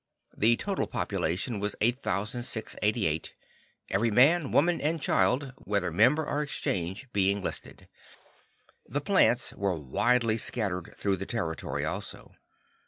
The total population was 8,688, every man, woman and child, whether member or "exchange," being listed. The plants were widely scattered through the territory also.